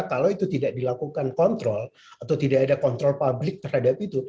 kalau itu tidak dilakukan kontrol atau tidak ada kontrol publik terhadap itu